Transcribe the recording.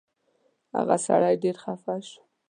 هغه سړی ډېر خفه شو.